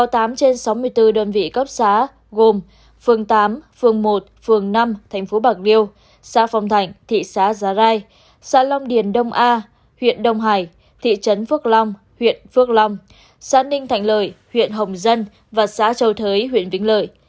tám trên sáu mươi bốn đơn vị cấp xá gồm phường tám phường một phường năm thành phố bạc liêu xá phong thạnh thị xá giờ rai xá lòng điền đông a huyện đông hải thị trấn phước long huyện phước long xá ninh thạnh lợi huyện hồng dân và xá châu thới huyện vĩnh lợi